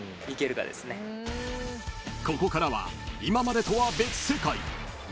［ここからは今までとは］